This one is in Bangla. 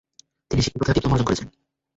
তিনি শিক্ষকতায় ডিপ্লোমাও অর্জন করেন।